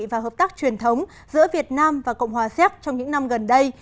và hợp tác truyền thống giữa việt nam và cộng hòa séc trong những năm gần đây